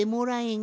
ん。